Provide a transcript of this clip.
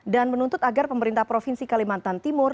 dan menuntut agar pemerintah provinsi kalimantan timur